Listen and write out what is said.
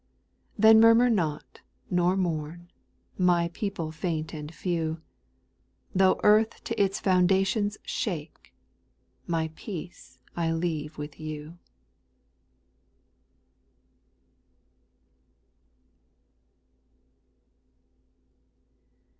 6. Then murmur not, nor mourn, My people faint and few, Tho^ earth to its foundation shake, My peace I leave with you.